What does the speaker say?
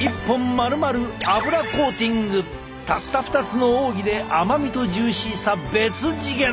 たった２つの奥義で甘みとジューシーさ別次元！